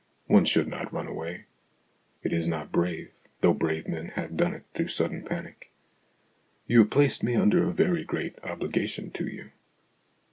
One should not run away. It is not brave, though brave men have done it through sudden panic. You have placed me under a very great obligation to you."